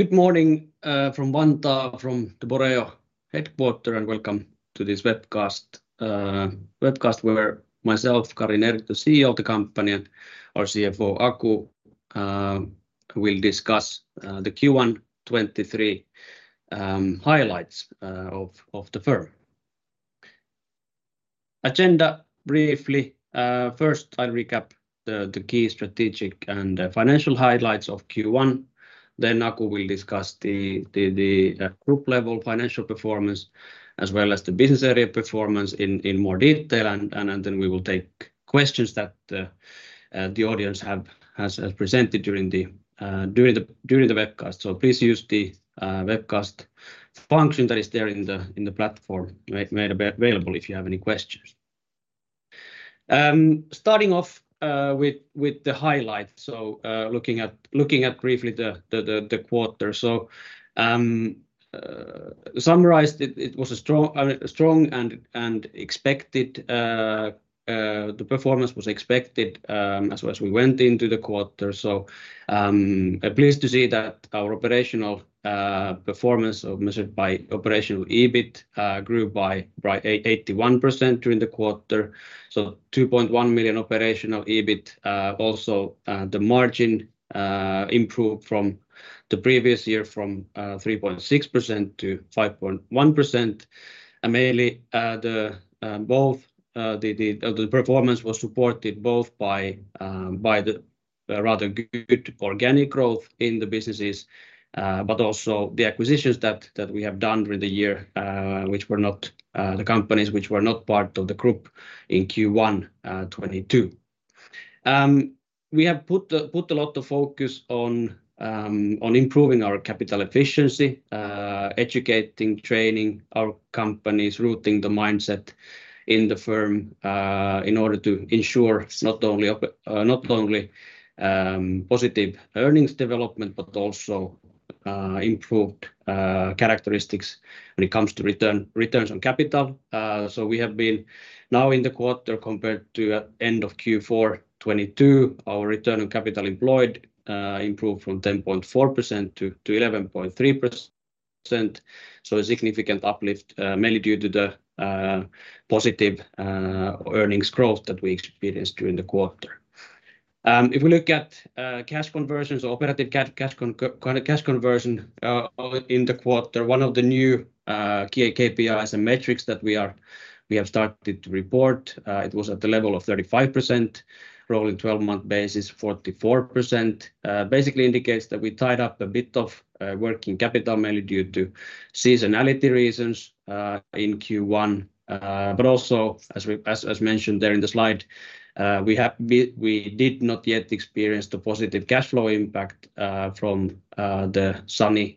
Good morning from Vantaa, from the Boreo headquarters. Welcome to this webcast where myself, Kari Nerg, CEO of the company, and our CFO, Aku, will discuss the Q1 2023 highlights of the firm. Agenda briefly. First I'll recap the key strategic and financial highlights of Q1. Aku will discuss the group level financial performance as well as the business area performance in more detail. We will take questions that the audience has presented during the webcast. Please use the webcast function that is there in the platform made available if you have any questions. Starting off with the highlights. Looking at briefly the quarter. Summarized it was a strong, I mean, strong and expected. The performance was expected as well as we went into the quarter. Pleased to see that our operational performance measured by operational EBIT grew by 81% during the quarter. 2.1 million operational EBIT. Also, the margin improved from the previous year from 3.6% to 5.1%. Mainly, the both the performance was supported both by the rather good organic growth in the businesses, but also the acquisitions that we have done during the year, which were not the companies which were not part of the group in Q1 2022. We have put a lot of focus on improving our capital efficiency, educating, training our companies, rooting the mindset in the firm in order to ensure it's not only positive earnings development, but also improved characteristics when it comes to returns on capital. We have been now in the quarter compared to end of Q4 2022, our Return on Capital Employed improved from 10.4% to 11.3%. So a significant uplift mainly due to the positive earnings growth that we experienced during the quarter. If we look at cash conversions, operative cash conversion in the quarter, one of the new key KPIs and metrics that we have started to report, it was at the level of 35%, rolling twelve-month basis, 44%. Basically indicates that we tied up a bit of working capital mainly due to seasonality reasons in Q1. Also as we, as mentioned there in the slide, we did not yet experience the positive cash flow impact from the Sany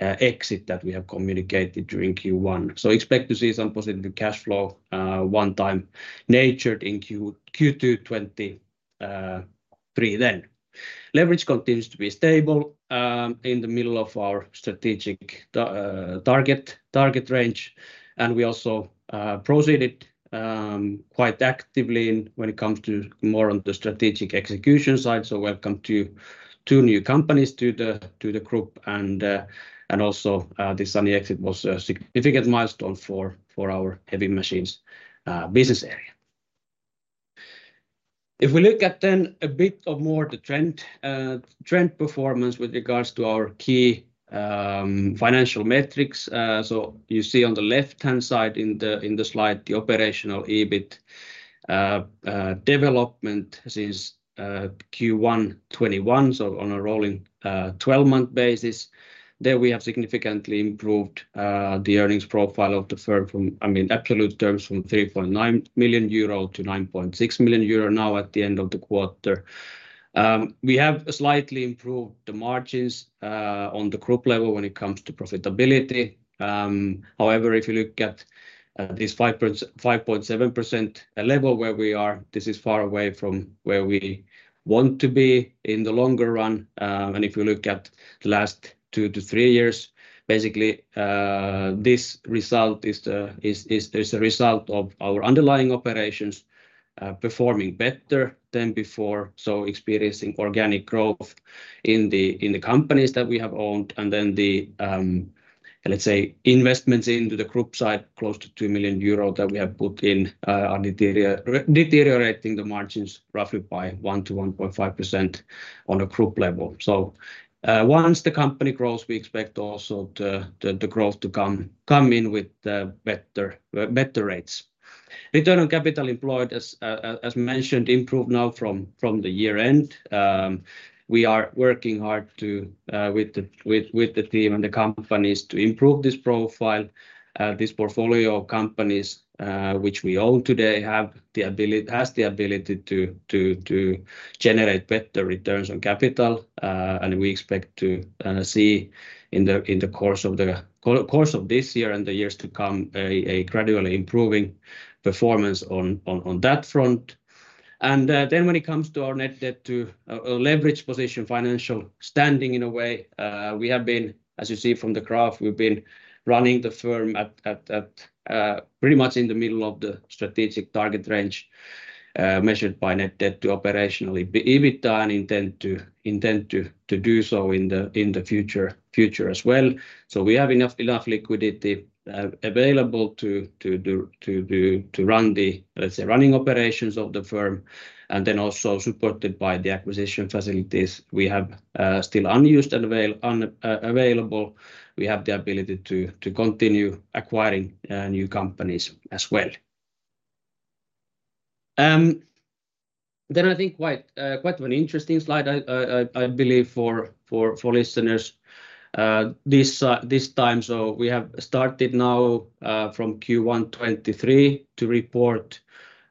exit that we have communicated during Q1. Expect to see some positive cash flow one time natured in Q2 2023 then. Leverage continues to be stable in the middle of our strategic target range, and we also proceeded quite actively in when it comes to more on the strategic execution side. Welcome to two new companies to the group and also the Sany exit was a significant milestone for our heavy machines business area. If we look at then a bit of more the trend trend performance with regards to our key financial metrics. You see on the left-hand side in the slide, the operational EBIT development since Q1 2021, so on a rolling twelve-month basis. There we have significantly improved the earnings profile of the firm from, I mean, absolute terms from 3.9 million euro to 9.6 million euro now at the end of the quarter. We have slightly improved the margins on the group level when it comes to profitability. However, if you look at this 5.7% level where we are, this is far away from where we want to be in the longer run. If you look at the last 2-3 years, basically, this result is a result of our underlying operations performing better than before. Experiencing organic growth in the companies that we have owned and then the let's say investments into the group side, close to 2 million euro that we have put in, are deteriorating the margins roughly by 1%-1.5% on a group level. Once the company grows, we expect also the growth to come in with better rates. Return on Capital Employed, as mentioned, improved now from the year-end. We are working hard to with the team and the companies to improve this profile. This portfolio of companies which we own today has the ability to generate better returns on capital. We expect to see in the course of this year and the years to come a gradually improving performance on that front. Then when it comes to our net debt to leverage position, financial standing in a way, we have been, as you see from the graph, we've been running the firm pretty much in the middle of the strategic target range, measured by net debt to operational EBITDA, and intend to do so in the future as well. We have enough liquidity available to run the, let's say, running operations of the firm, and then also supported by the acquisition facilities we have still unused available. We have the ability to continue acquiring new companies as well. I think quite an interesting slide, I believe for listeners this time. We have started now from Q1 2023 to report,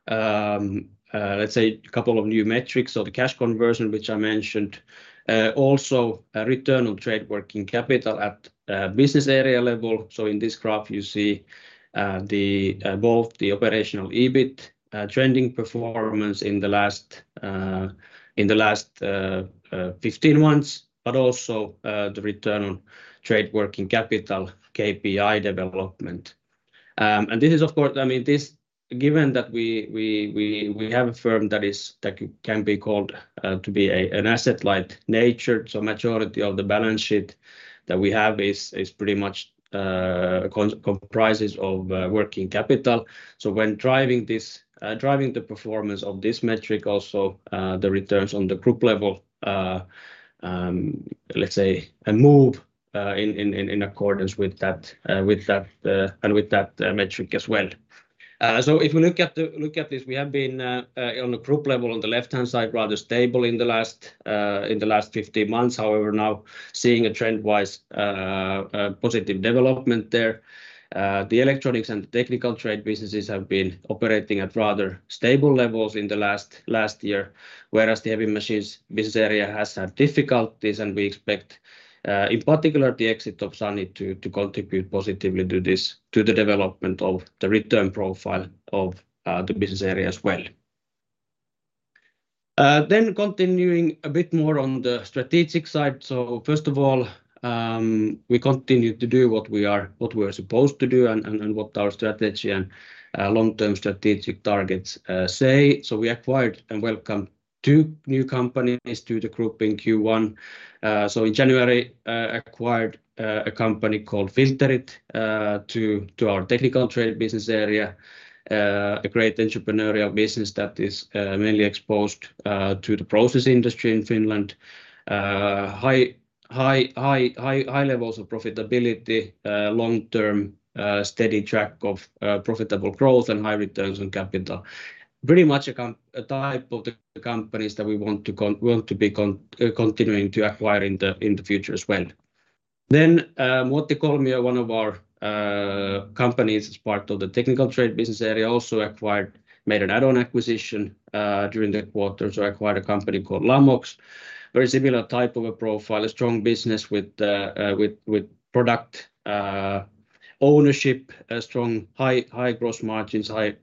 let's say a couple of new metrics. The cash conversion, which I mentioned, also a Return on Trade Working Capital at business area level. In this graph, you see the both the Operational EBIT trending performance in the last 15 months, but also the Return on Trade Working Capital KPI development. This is of course. I mean, this... a firm that can be called an asset-light natured, so the majority of the balance sheet that we have is pretty much comprised of working capital. So when driving this, driving the performance of this metric also, the returns on the group level, let's say, move in accordance with that, with that, and with that metric as well. So if we look at this, we have been on a group level on the left-hand side, rather stable in the last 15 months. However, now seeing a trend-wise positive development there The electronics and technical trade businesses have been operating at rather stable levels in the last year, whereas the heavy machines business area has had difficulties, and we expect in particular the exit of Sany to contribute positively to this, to the development of the return profile of the business area as well. Continuing a bit more on the strategic side. First of all, we continue to do what we are supposed to do and what our strategy and long-term strategic targets say. We acquired and welcomed two new companies to the group in Q1. In January, acquired a company called Filterit to our technical trade business area. A great entrepreneurial business that is mainly exposed to the process industry in Finland. High levels of profitability, long-term, steady track of profitable growth and high returns on capital. Pretty much a type of the companies that we want to be continuing to acquire in the future as well. Muottikolmio, one of our companies as part of the technical trade business area, also made an add-on acquisition during the quarter. Acquired a company called Lamox. Very similar type of a profile. A strong business with product ownership, a strong, high gross margins, high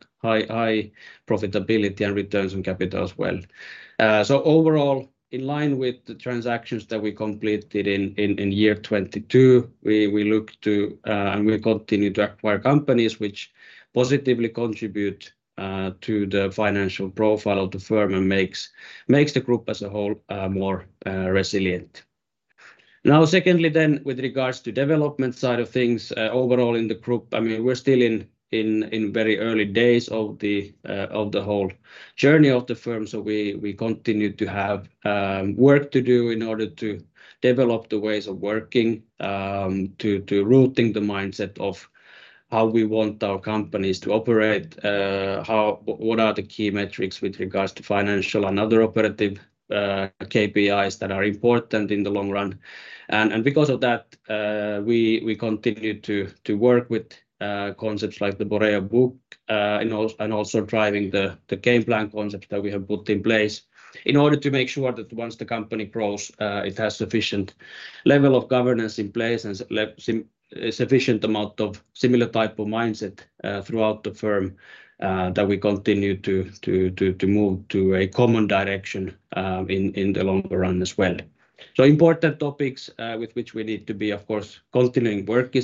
profitability and returns on capital as well. Overall, in line with the transactions that we completed in year 2022, we look to and we continue to acquire companies which positively contribute to the financial profile of the firm and makes the group as a whole, more resilient. Secondly, then, with regards to development side of things, overall in the group, I mean, we're still in very early days of the whole journey of the firm. We continue to have work to do in order to develop the ways of working, to rooting the mindset of how we want our companies to operate, What are the key metrics with regards to financial and other operative KPIs that are important in the long run. Because of that, we continue to work with concepts like the Boreo Way, and also driving the Game Plan concepts that we have put in place in order to make sure that once the company grows, it has sufficient level of governance in place and sufficient amount of similar type of mindset throughout the firm, that we continue to move to a common direction in the longer run as well. Important topics with which we need to be, of course, continuing to work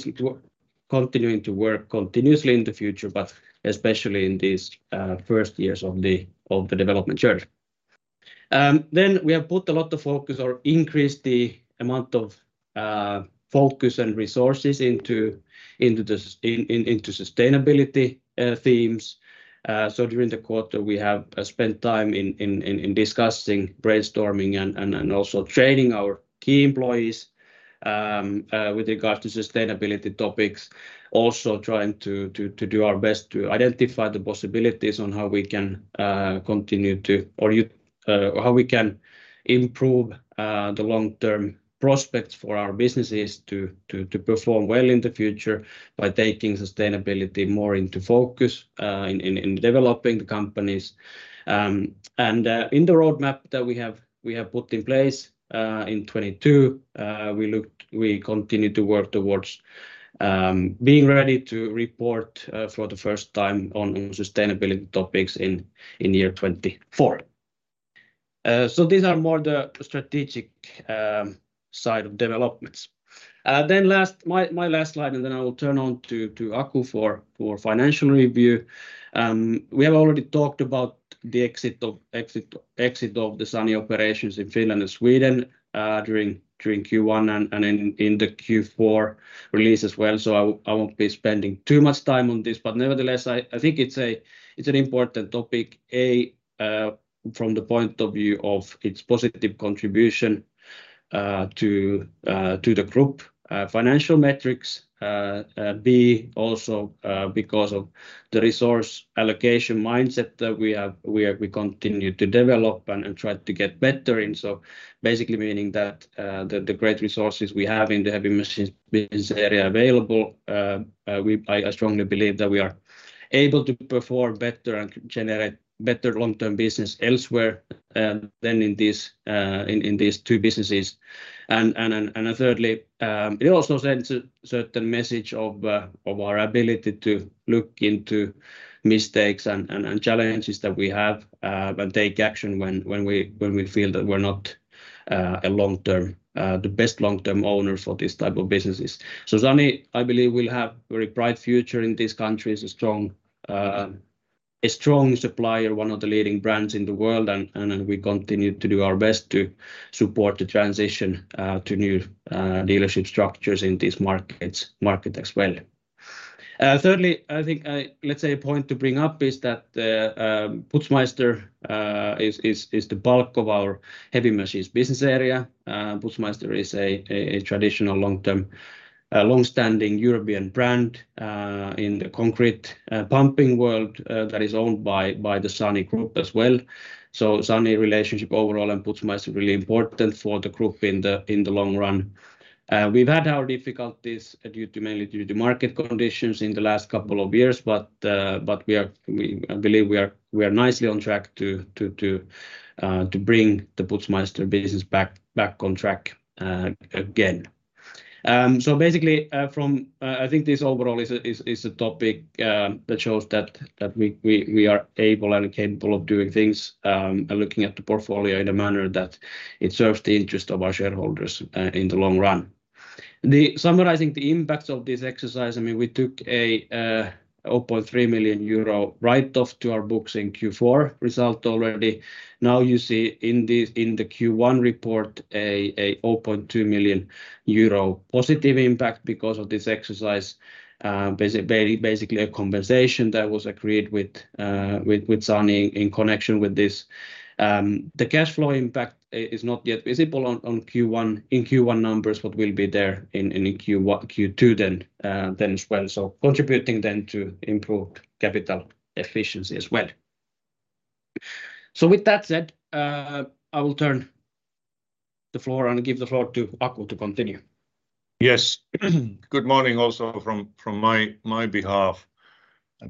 continuously in the future, but especially in these first years of the development journey. We have put a lot of focus or increased the amount of focus and resources into sustainability themes. During the quarter, we have spent time in discussing, brainstorming, and also training our key employees with regard to sustainability topics. Also trying to do our best to identify the possibilities on how we can continue or how we can improve the long-term prospects for our businesses to perform well in the future by taking sustainability more into focus in developing the companies. In the roadmap that we have put in place in 2022, we continue to work towards being ready to report for the first time on sustainability topics in year 2024. These are more the strategic side of developments. Last... My last slide, and then I will turn on to Aku for financial review. We have already talked about the exit of the Sany operations in Finland and Sweden during Q1 and in the Q4 release as well. I won't be spending too much time on this, but nevertheless, I think it's an important topic, A, from the point of view of its positive contribution to the group financial metrics. B, also, because of the resource allocation mindset that we continue to develop and try to get better. Basically meaning that the great resources we have in the heavy machines business area available. I strongly believe that we are able to perform better and generate better long-term business elsewhere than in these two businesses. Thirdly, it also sends a certain message of our ability to look into mistakes and challenges that we have and take action when we feel that we're not a long-term, the best long-term owner for these type of businesses. Sany, I believe, will have very bright future in these countries. A strong supplier, one of the leading brands in the world. We continue to do our best to support the transition to new dealership structures in these markets as well. thirdly, I think, let's say a point to bring up is that Putzmeister is the bulk of our heavy machines business area. Putzmeister is a traditional long-term, long-standing European brand, in the concrete, pumping world, that is owned by the Sany Group as well. Sany relationship overall and Putzmeister really important for the group in the long run. We've had our difficulties due to mainly due to market conditions in the last couple of years, but we are I believe we are nicely on track to bring the Putzmeister business back on track again. Basically, from... I think this overall is a topic that shows that we are able and capable of doing things and looking at the portfolio in a manner that it serves the interest of our shareholders in the long run. Summarizing the impacts of this exercise, I mean, we took a 0.3 million euro write-off to our books in Q4 result already. You see in this, in the Q1 report a 0.2 million euro positive impact because of this exercise. Basically a conversation that was agreed with Sany in connection with this. The cash flow impact is not yet visible on Q1, in Q1 numbers, but will be there in Q2 then as well, so contributing then to improved capital efficiency as well. With that said, I will turn the floor and give the floor to Aku to continue. Yes. Good morning also from my behalf.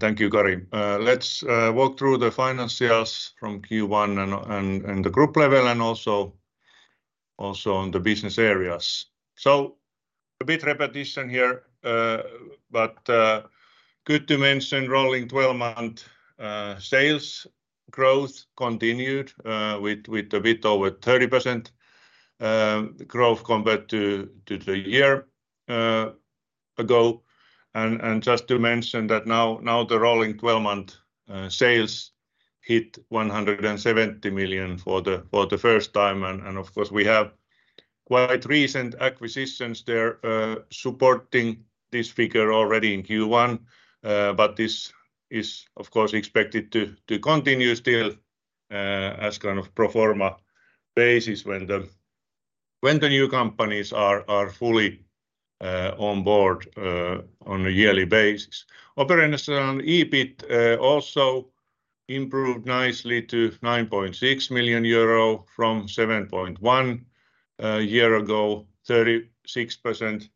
Thank you, Kari. Let's walk through the financials from Q1 and the group level and also on the business areas. A bit repetition here, but good to mention rolling 12-month sales growth continued with a bit over 30% growth compared to the year ago. Just to mention that now the rolling 12-month sales hit 170 million for the first time. Of course, we have quite recent acquisitions there, supporting this figure already in Q1. This is of course expected to continue still as kind of pro forma basis when the new companies are fully on board on a yearly basis. Operational EBIT also improved nicely to 9.6 million euro from 7.1 a year ago. 36%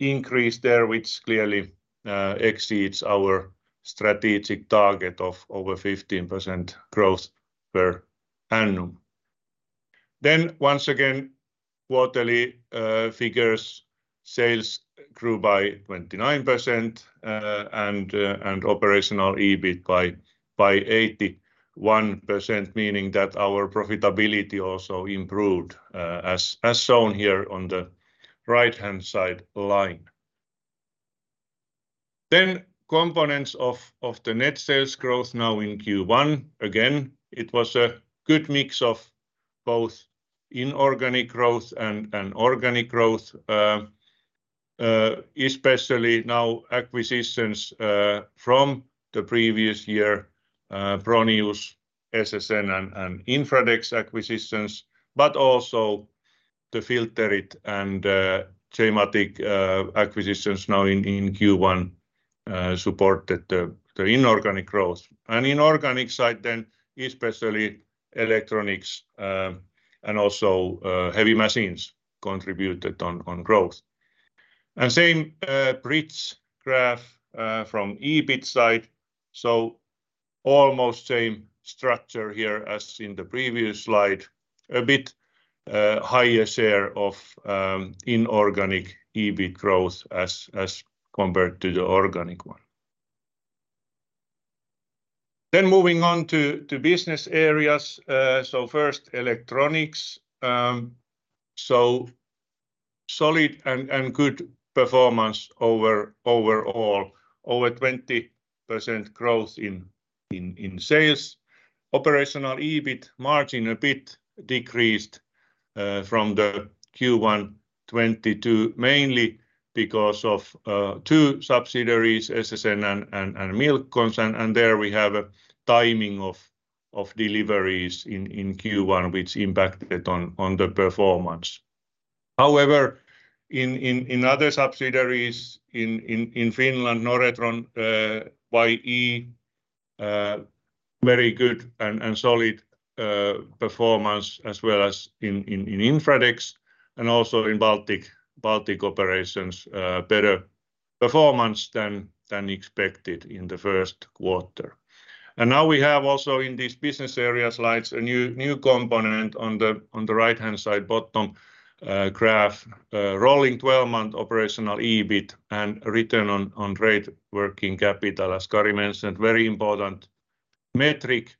increase there, which clearly exceeds our strategic target of over 15% growth per annum. Once again, quarterly figures. Sales grew by 29% and operational EBIT by 81%, meaning that our profitability also improved as shown here on the right-hand side line. Components of the net sales growth now in Q1. Again, it was a good mix of both inorganic growth and organic growth, especially now acquisitions from the previous year, Pronius, SSN and Infradex acquisitions, but also the Filterit and J-Matic acquisitions now in Q1 supported the inorganic growth. Inorganic side then especially electronics, and also heavy machines contributed on growth. Same bridge graph from EBIT side. Almost same structure here as in the previous slide. A bit higher share of inorganic EBIT growth as compared to the organic one. Moving on to business areas. First electronics. Solid and good performance overall. Over 20% growth in sales. Operational EBIT margin a bit decreased from the Q1 2022, mainly because of two subsidiaries, SSN and Milcon. There we have a timing of deliveries in Q1, which impacted on the performance. However, in other subsidiaries in Finland, Noretron, YE, very good and solid performance, as well as in Infradex and also in Baltic. Baltic operations, better performance than expected in the first quarter. Now we have also in these business area slides a new component on the right-hand side bottom graph. Rolling 12-month Operational EBIT and Return on Trade Working Capital. As Kari mentioned, very important metric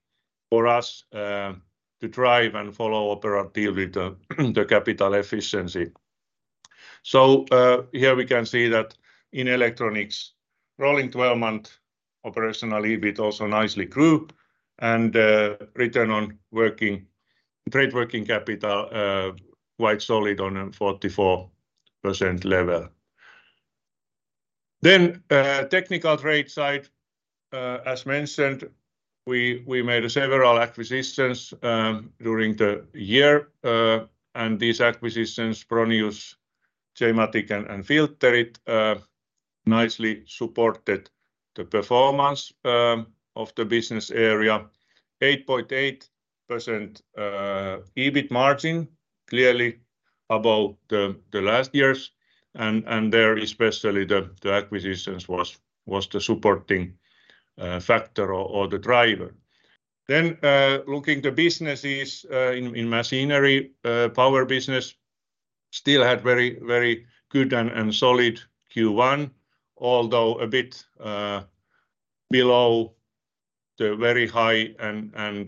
for us to drive and follow operatively the capital efficiency. Here we can see that in electronics, rolling 12-month Operational EBIT also nicely grew and Return on Trade Working Capital quite solid on a 44% level. Technical trade side. As mentioned, we made several acquisitions during the year. These acquisitions, Pronius, J-Matic and Filterit, nicely supported the performance of the business area. 8.8% EBIT margin, clearly above the last year's. There, especially the acquisitions was the supporting factor or the driver. Looking the businesses in machinery, power business still had very good and solid Q1, although a bit below the very high and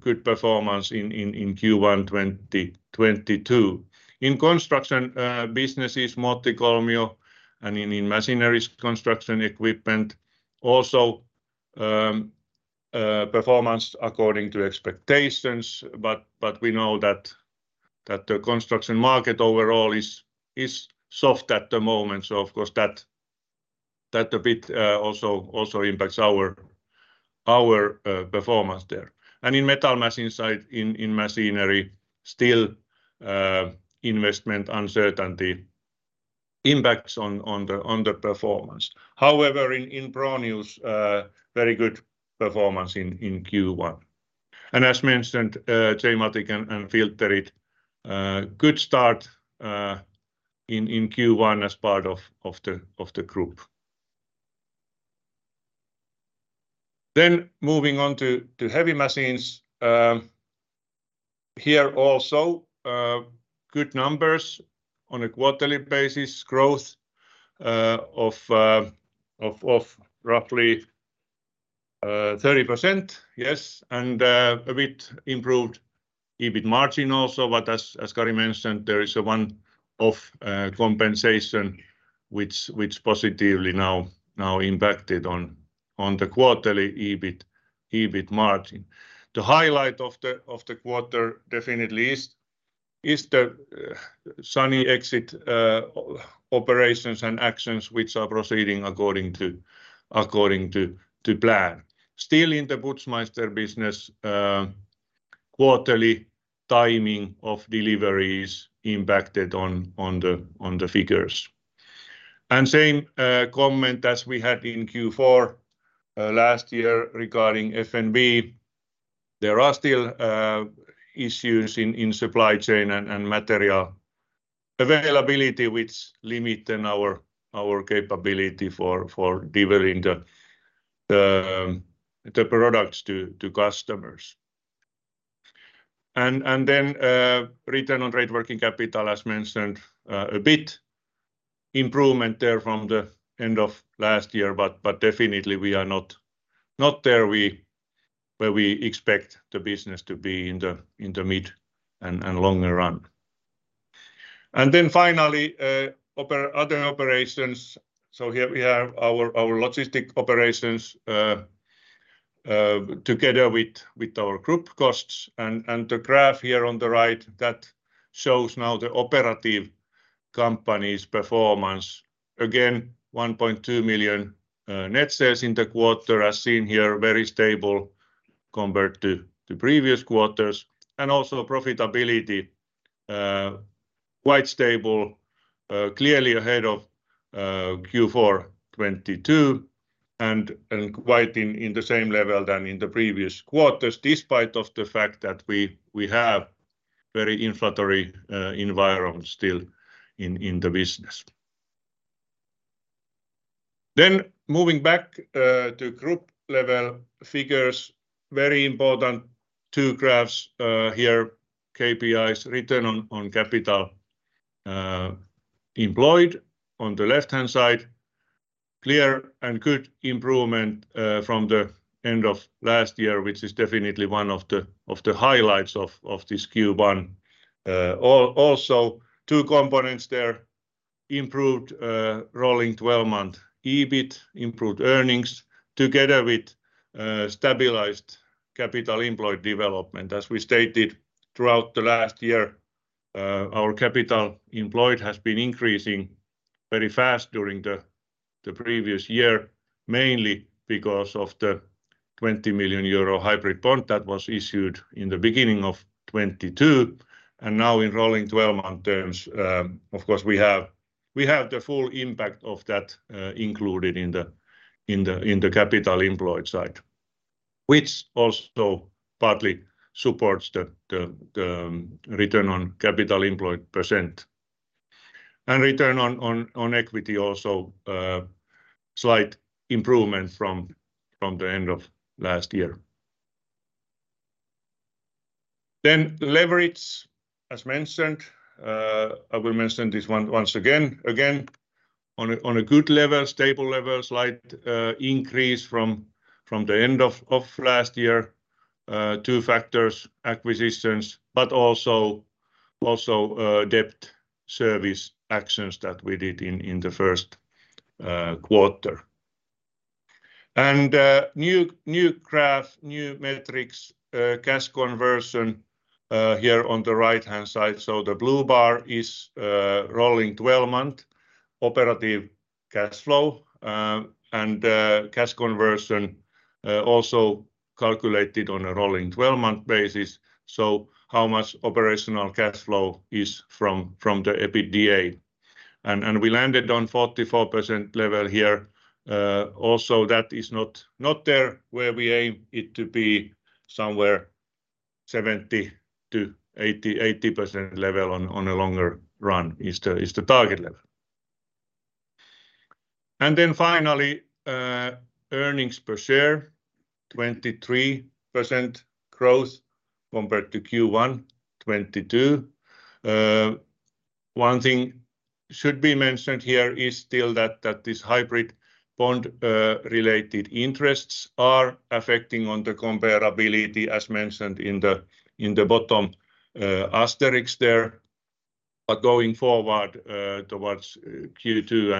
good performance in Q1 2022. In construction businesses, Muottikolmio and in machinery construction equipment also performance according to expectations. We know that the construction market overall is soft at the moment. Of course that a bit also impacts our performance there. In metal machines side, in machinery, still investment uncertainty impacts on the performance. However, in Pronius, very good performance in Q1. As mentioned, J-Matic and Filterit, good start in Q1 as part of the group. Moving on to heavy machines. Here also, good numbers on a quarterly basis. Growth of roughly 30%. Yes, a bit improved EBIT margin also. As Kari mentioned, there is a one-off compensation which positively impacted on the quarterly EBIT margin. The highlight of the quarter definitely is the Sany exit operations and actions which are proceeding according to plan. Still in the Putzmeister business, quarterly timing of deliveries impacted on the figures. Same comment as we had in Q4 last year regarding FNB. There are still issues in supply chain and material availability, which limit then our capability for delivering the products to customers. Return on Trade Working Capital, as mentioned, a bit improvement there from the end of last year. Definitely we are not there where we expect the business to be in the mid and longer run. Finally, other operations. Here we have our logistic operations together with our group costs and the graph here on the right that shows now the operative company's performance. Again, 1.2 million net sales in the quarter as seen here, very stable compared to the previous quarters. Also profitability, quite stable, clearly ahead of Q4 2022 and quite in the same level than in the previous quarters, despite of the fact that we have very inflationary environment still in the business. Moving back to group level figures. Very important two graphs here. KPIs, Return on Capital Employed on the left-hand side, clear and good improvement from the end of last year, which is definitely one of the highlights of this Q1. Also two components there, improved rolling 12-month EBIT, improved earnings, together with stabilized capital employed development. We stated throughout the last year, our capital employed has been increasing very fast during the previous year, mainly because of the 20 million euro hybrid bond that was issued in the beginning of 2022. Now in rolling 12-month terms, of course, we have the full impact of that included in the capital employed side, which also partly supports the Return on Capital Employed %. Return on equity also, slight improvement from the end of last year. Leverage, as mentioned, I will mention this one once again. On a good level, stable level, slight increase from the end of last year. Two factors, acquisitions, but also debt service actions that we did in the first quarter. New graph, new metrics, cash conversion, here on the right-hand side. The blue bar is rolling 12-month operative cash flow, and cash conversion also calculated on a rolling 12-month basis. How much operational cash flow is from the EBITDA. We landed on 44% level here. Also that is not there where we aim it to be somewhere 70-80% level on a longer run is the target level. Then finally, earnings per share, 23% growth compared to Q1 2022. One thing should be mentioned here is still that this hybrid bond related interests are affecting on the comparability as mentioned in the bottom asterisks there. Going forward, towards Q2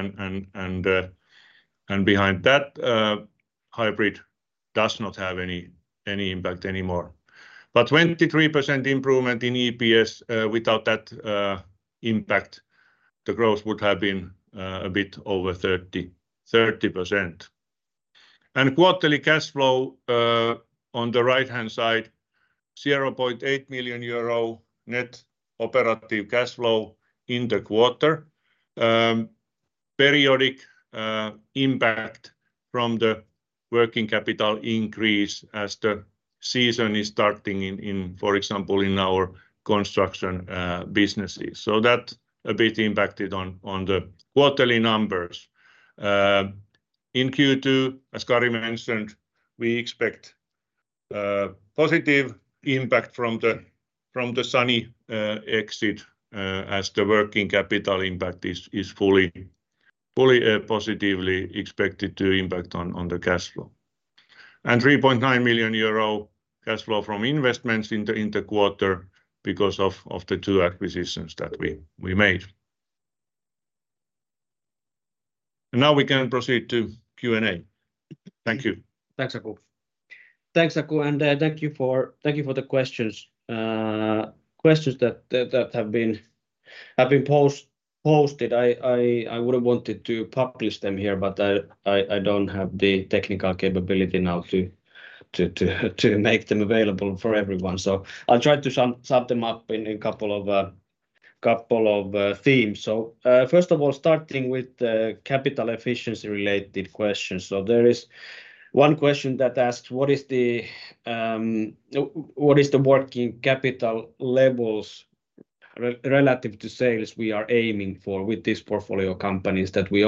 and behind that, hybrid does not have any impact anymore. 23% improvement in EPS, without that impact, the growth would have been a bit over 30%. Quarterly cash flow, on the right-hand side, 0.8 million euro net operative cash flow in the quarter. Periodic impact from the working capital increase as the season is starting in, for example, in our construction businesses. That a bit impacted on the quarterly numbers. In Q2, as Kari mentioned, we expect positive impact from the Sany exit, as the working capital impact is fully positively expected to impact on the cash flow. 3.9 million euro cash flow from investments in the quarter because of the two acquisitions that we made. Now we can proceed to Q&A. Thank you. Thanks, Aku. Thank you for the questions. Questions that have been posted. I would have wanted to publish them here, I don't have the technical capability now to make them available for everyone. I'll try to sum them up in a couple of themes. First of all, starting with the capital efficiency related questions. There is one question that asks, "What is the working capital levels relative to sales we are aiming for with this portfolio companies that we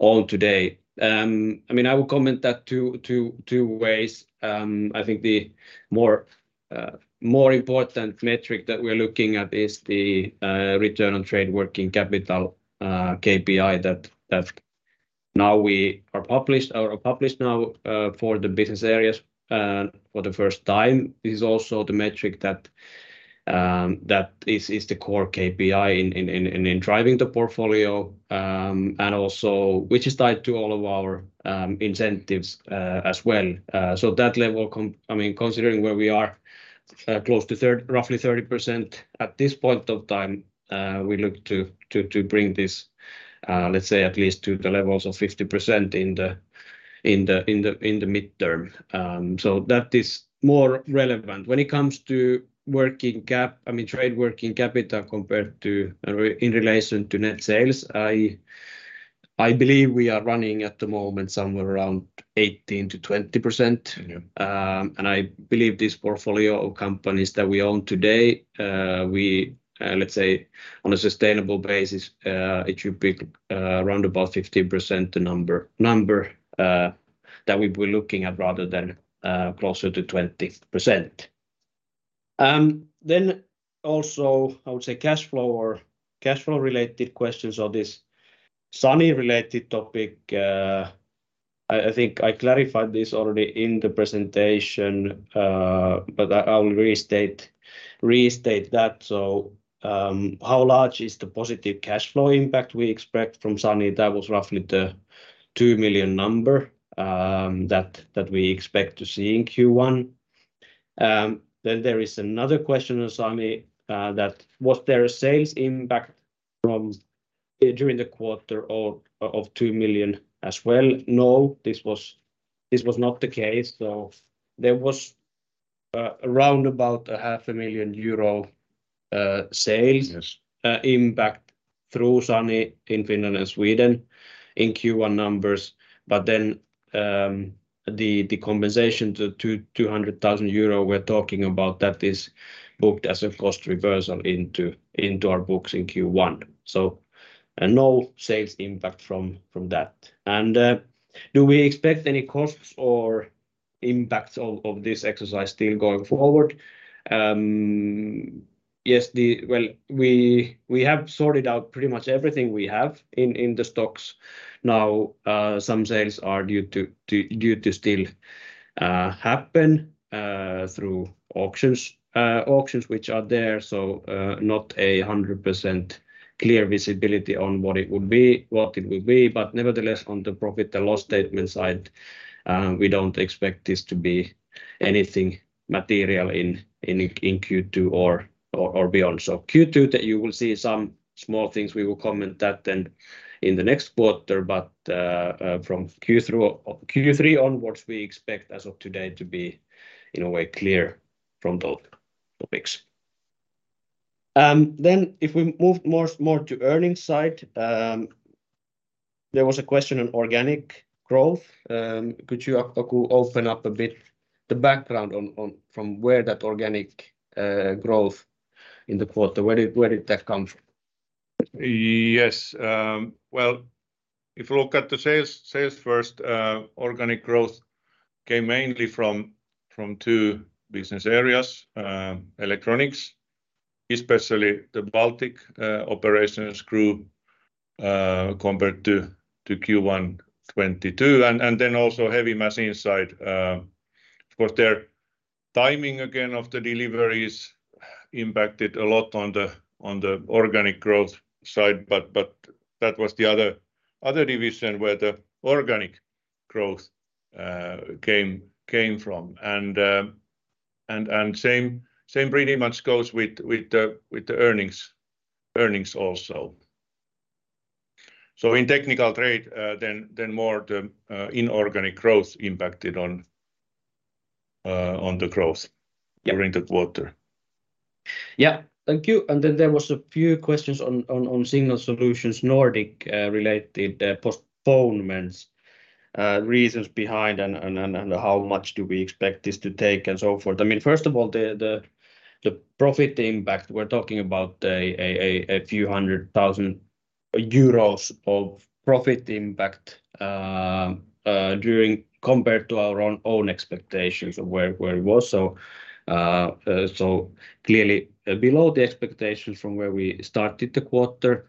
own today?" I mean, I will comment that two ways. I think the more important metric that we're looking at is the Return on Trade Working Capital KPI that now we are published now for the business areas for the first time. This is also the metric that is the core KPI in driving the portfolio and also which is tied to all of our incentives as well. I mean, considering where we are, close to third, roughly 30% at this point of time, we look to bring this, let's say at least to the levels of 50% in the midterm. That is more relevant. When it comes to working, I mean, trade working capital compared to, or in relation to net sales, I believe we are running at the moment somewhere around 18%-20%. Yeah. I believe this portfolio of companies that we own today, we, let's say on a sustainable basis, it should be around about 50% the number that we've been looking at rather than closer to 20%. Also I would say cash flow or cash flow related questions or this Sany related topic. I think I clarified this already in the presentation, but I will restate that. How large is the positive cash flow impact we expect from Sany? That was roughly the 2 million number that we expect to see in Q1. There is another question on Sany that was there a sales impact from during the quarter or of 2 million as well? No, this was not the case. There was, around about a half a million euro sales. Yes impact through Sany in Finland and Sweden in Q1 numbers. The compensation to 200,000 euro we're talking about that is booked as a cost reversal into our books in Q1. no sales impact from that. Do we expect any costs or impacts of this exercise still going forward? Yes. We have sorted out pretty much everything we have in the stocks now. Some sales are due to still happen through auctions which are there. Not 100% clear visibility on what it would be, what it will be. Nevertheless, on the profit and loss statement side, we don't expect this to be anything material in Q2 or beyond. Q2 that you will see some small things. We will comment that then in the next quarter. From Q3 onwards, we expect as of today to be in a way clear from those topics. If we move more to earnings side, there was a question on organic growth. Could you, Aku, open up a bit the background on from where that organic growth in the quarter, where did that come from? Yes. Well, if you look at the sales first, organic growth came mainly from two business areas, electronics, especially the Baltic operations grew compared to Q1 2022 and then also heavy machine side. Of course their timing again of the deliveries impacted a lot on the organic growth side. That was the other division where the organic growth came from. Same pretty much goes with the earnings also. In Technical Trade, then more the inorganic growth impacted on the growth. Yeah... during the quarter. Thank you. Then there was a few questions on Signal Solutions Nordic related postponements, reasons behind and how much do we expect this to take and so forth. I mean, first of all, the profit impact, we're talking about a few hundred thousand EUR of profit impact during compared to our own expectations of where it was. So clearly below the expectations from where we started the quarter.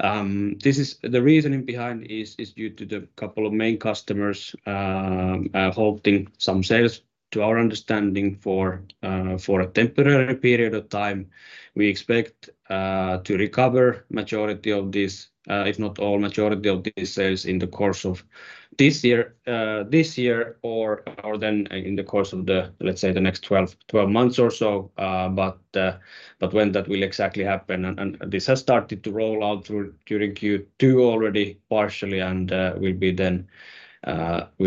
This is the reasoning behind is due to the couple of main customers halting some sales to our understanding for a temporary period of time. We expect to recover majority of this, if not all, majority of these sales in the course of this year, this year or then in the course of the, let's say, the next 12 months or so. When that will exactly happen and this has started to roll out during Q2 already partially and will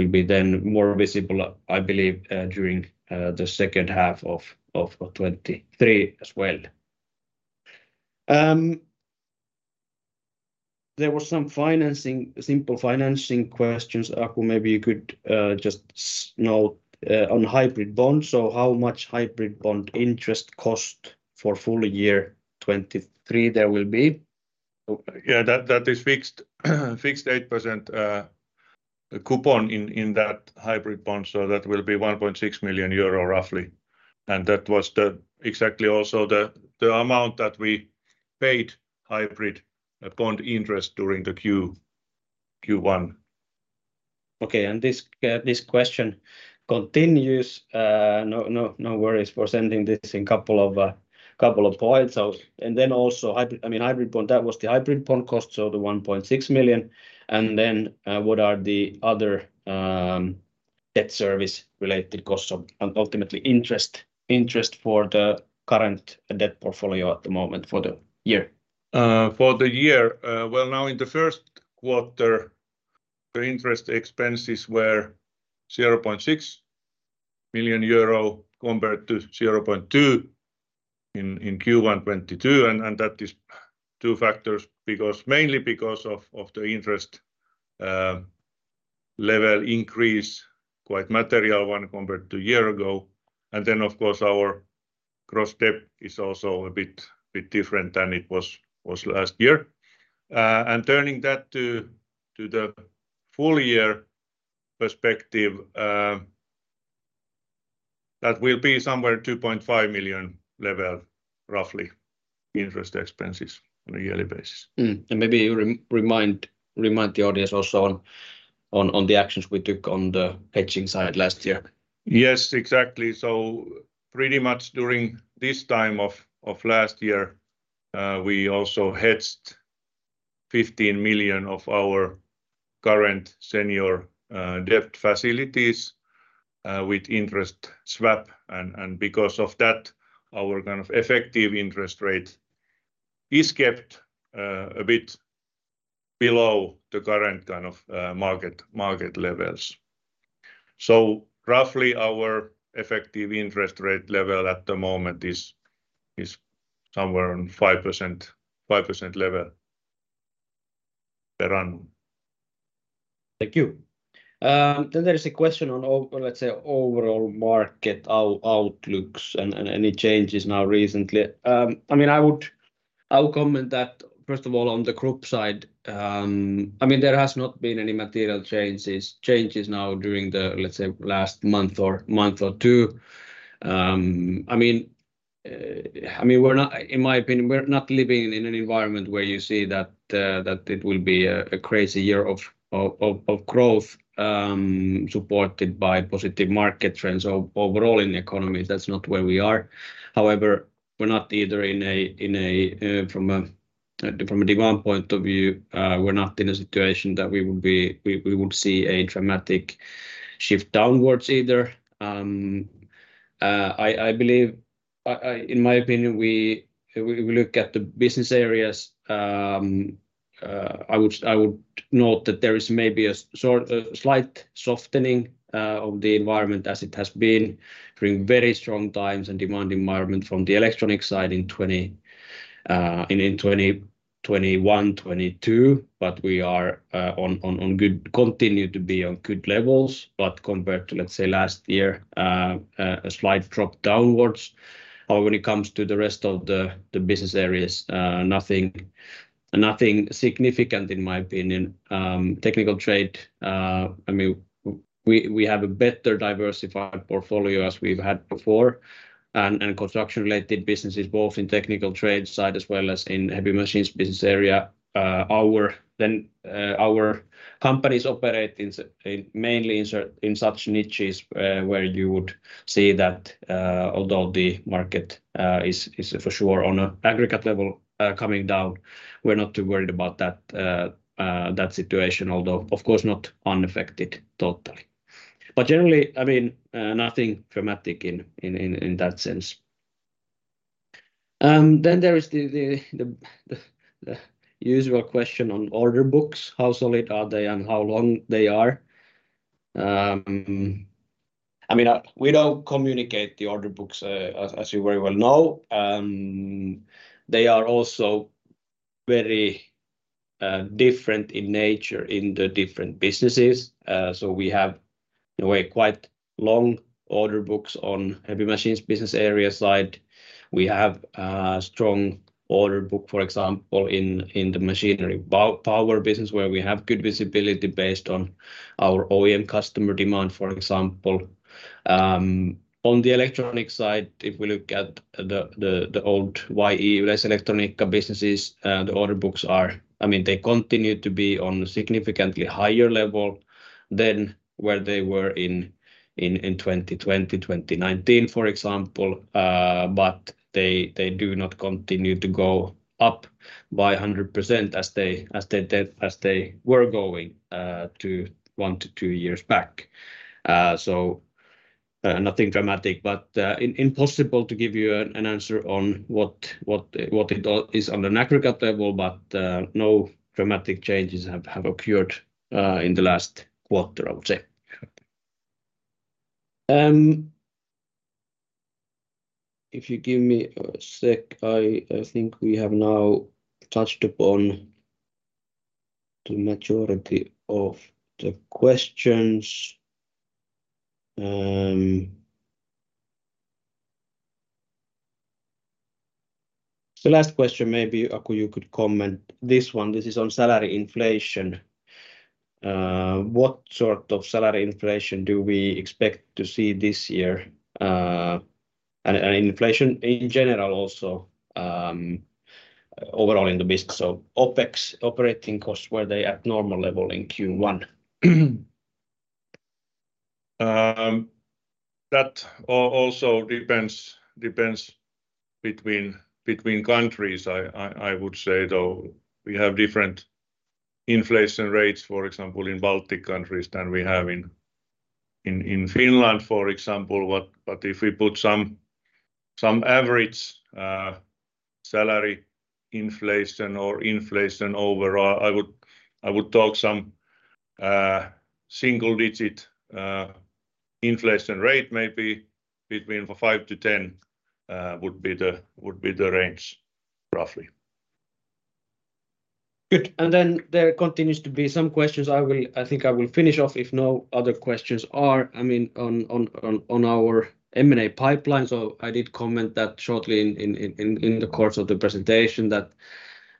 be then more visible, I believe, during the second half of 2023 as well. There was some financing, simple financing questions. Aku, maybe you could just note on hybrid bonds. How much hybrid bond interest cost for full year 2023 there will be? Yeah, that is fixed 8% coupon in that hybrid bond. That will be 1.6 million euro roughly. That was exactly also the amount that we paid hybrid bond interest during the Q1. Okay. This question continues. No worries for sending this in couple of points. Hybrid, I mean hybrid bond, that was the hybrid bond cost. The 1.6 million. What are the other debt service related costs and ultimately interest for the current debt portfolio at the moment for the year? For the year? Well, now in the first quarter, the interest expenses were 0.6 million euro compared to 0.2 million in Q1 2022. That is two factors because mainly because of the interest level increase quite material one compared to a year ago. Of course our gross debt is also a bit different than it was last year. Turning that to the full year perspective, that will be somewhere 2.5 million level, roughly interest expenses on a yearly basis. Maybe remind the audience also on the actions we took on the hedging side last year. Yes, exactly. Pretty much during this time of last year, we also hedged 15 million of our current senior debt facilities with interest swap. Because of that, our kind of effective interest rate is kept a bit below the current kind of market levels. Roughly our effective interest rate level at the moment is somewhere on 5% level per annum. Thank you. There is a question on let's say overall market outlooks and any changes now recently. I mean, I would comment that first of all on the group side, I mean, there has not been any material changes now during the, let's say last month or two. I mean, in my opinion, we're not living in an environment where you see that it will be a crazy year of growth, supported by positive market trends overall in the economy. That's not where we are. However, we're not either in a, from a demand point of view, we're not in a situation that we would see a dramatic shift downwards either. I believe, in my opinion, we look at the business areas. I would note that there is maybe a slight softening of the environment as it has been during very strong times and demand environment from the electronic side in 2021, 2022. We continue to be on good levels. Compared to, let's say, last year, a slight drop downwards when it comes to the rest of the business areas. Nothing significant in my opinion. Technical Trade, I mean, we have a better diversified portfolio as we've had before. Construction related businesses both in Technical Trade side as well as in heavy machines business area. Our then, our companies operate in mainly in such niches, where you would see that, although the market is for sure on an an aggregate level, coming down, we're not too worried about that situation although of course not unaffected totally. Generally, I mean, nothing dramatic in that sense. There is the usual question on order books, how solid are they and how long they are. I mean, we don't communicate the order books as you very well know. They are also very different in nature in the different businesses. We have, in a way, quite long order books on heavy machines business area side. We have a strong order book, for example, in the machinery power business, where we have good visibility based on our OEM customer demand, for example. On the electronic side, if we look at the old Yleiselektroniikka businesses, the order books are. I mean, they continue to be on a significantly higher level than where they were in 2020, 2019, for example. They do not continue to go up by 100% as they did as they were going 1-2 years back. Nothing dramatic. Impossible to give you an answer on what it all is on an aggregate level. No dramatic changes have occurred in the last quarter, I would say. If you give me a sec, I think we have now touched upon the majority of the questions. The last question, maybe, Aku, you could comment this one. This is on salary inflation. What sort of salary inflation do we expect to see this year? And inflation in general also, overall in the business. OpEx operating costs, were they at normal level in Q1? That also depends between countries. I would say, though, we have different inflation rates, for example, in Baltic countries than we have in Finland, for example. If we put some average salary inflation or inflation overall, I would talk some single digit inflation rate, maybe between 5%-10% would be the range roughly. Good. There continues to be some questions I think I will finish off if no other questions are, I mean, on our M&A pipeline. I did comment that shortly in the course of the presentation that,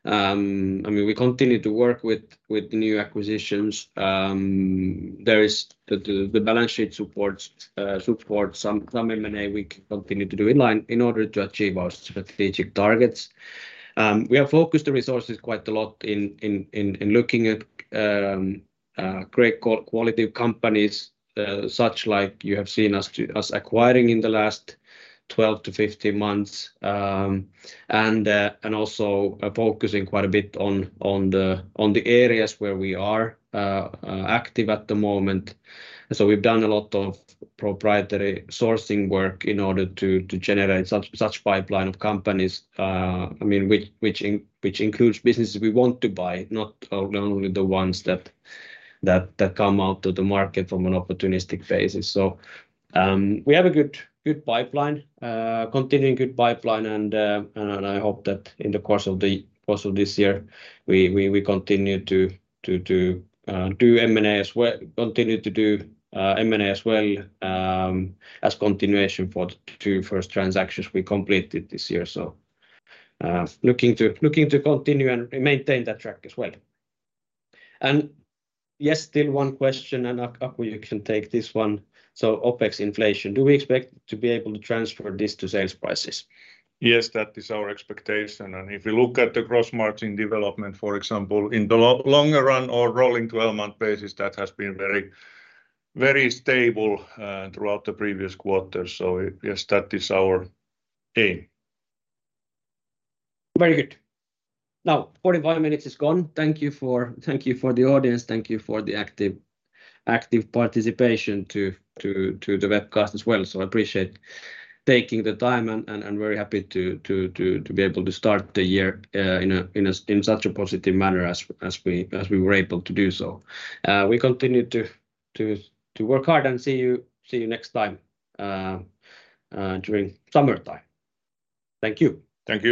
I mean, we continue to work with the new acquisitions. There is the balance sheet supports some M&A we continue to do in line in order to achieve our strategic targets. We have focused the resources quite a lot in looking at great quality companies, such like you have seen us acquiring in the last 12-15 months. And also focusing quite a bit on the areas where we are active at the moment. We've done a lot of proprietary sourcing work in order to generate such pipeline of companies, I mean, which includes businesses we want to buy, not only the ones that come out to the market from an opportunistic basis. We have a good pipeline, continuing good pipeline and I hope that in the course of this year, we continue to do M&A as well, as continuation for the two first transactions we completed this year. Looking to continue and maintain that track as well. Yes, still one question, and Aku, you can take this one. OpEx inflation, do we expect to be able to transfer this to sales prices? Yes, that is our expectation. If you look at the gross margin development, for example, in the longer run or rolling 12-month basis, that has been very stable throughout the previous quarter. Yes, that is our aim. Very good. Now 45 minutes is gone. Thank you for the audience. Thank you for the active participation to the webcast as well. I appreciate taking the time and very happy to be able to start the year in such a positive manner as we were able to do so. We continue to work hard and see you next time during summertime. Thank you. Thank you.